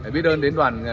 biết ơn đến đoàn công tác